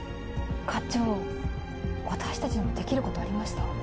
課長私たちにもできることありました。